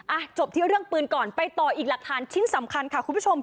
จบที่เรื่องปืนก่อนไปต่ออีกหลักฐานชิ้นสำคัญค่ะคุณผู้ชม